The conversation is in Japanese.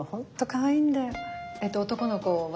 男の子は？